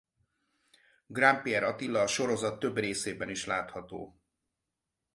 Grandpierre Attila a sorozat több részében is látható.